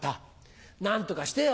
何とかしてよ。